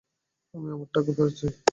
আমি আমার টাকা ফেরত চাই।